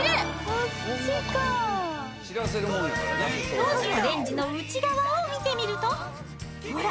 当時のレンジの内側を見てみるとほら！